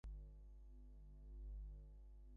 আর চলবে না, এখন তোমাকে আমার এলাকা ছেড়ে চলে যেতে হবে।